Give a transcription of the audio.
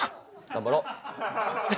頑張ろう。